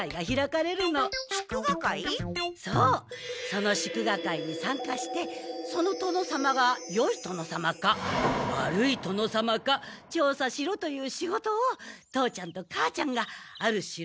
その祝賀会にさんかしてその殿様がよい殿様か悪い殿様か調査しろという仕事を父ちゃんと母ちゃんがある城から受けたの。